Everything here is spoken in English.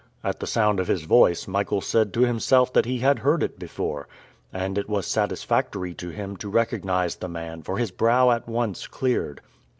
At the sound of his voice, Michael said to himself that he had heard it before. And it was satisfactory to him to recognize the man for his brow at once cleared.